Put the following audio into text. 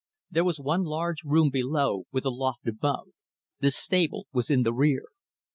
There was one large room below; with a loft above. The stable was in the rear.